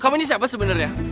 kamu ini siapa sebenernya